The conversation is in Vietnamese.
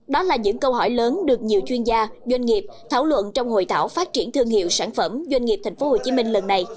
đó là những câu hỏi lớn được nhiều chuyên gia doanh nghiệp thảo luận trong hội thảo phát triển thương hiệu sản phẩm doanh nghiệp tp hcm lần này